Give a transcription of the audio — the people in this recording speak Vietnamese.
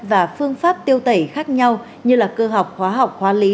và phương pháp tiêu tẩy khác nhau như là cơ học hóa học hóa lý